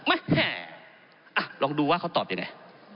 แม่ลองดูว่าเขาตอบยังไง